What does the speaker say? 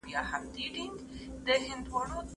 اسلام د افراط او تفریط لاره نه خوښوي.